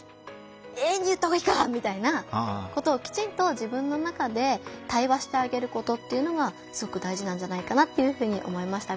Ａに言った方がいいか」みたいなことをきちんと自分の中で対話してあげることっていうのがすごくだいじなんじゃないかなっていうふうに思いました。